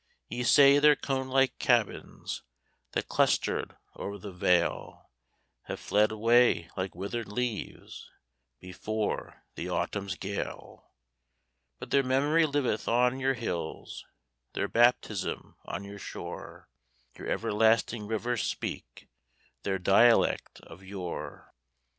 Ye say their conelike cabins, That cluster'd o'er the vale, Have fled away like wither'd leaves Before the autumn's gale: But their memory liveth on your hills, Their baptism on your shore; Your everlasting rivers speak Their dialect of yore.